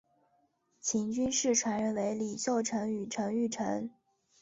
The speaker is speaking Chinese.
秦军事传人为李秀成与陈玉成。